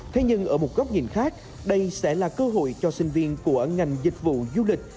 thế nhưng ở một góc nhìn khác đây sẽ là cơ hội cho sinh viên của ngành dịch vụ du lịch